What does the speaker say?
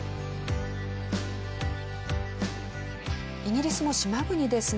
イギリスも島国ですね。